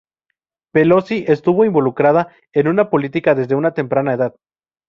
Pelosi estuvo involucrada en política desde una temprana edad.